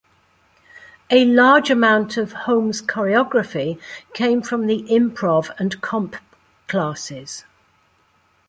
A large amount of Holm's choreography came from the improv and comp classes.